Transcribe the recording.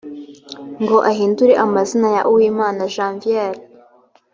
ngo ahindure amazina ya uwimana janviere